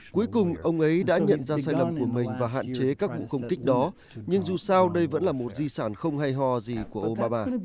cuối cùng ông ấy đã nhận ra sai lầm của mình và hạn chế các vụ không kích đó nhưng dù sao đây vẫn là một di sản không hay ho gì của obama